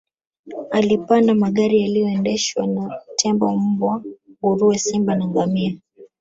Alipanda magari yaliyoendeshwa na tembo mbwa nguruwe simba na ngamia